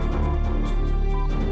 pak aku mau pergi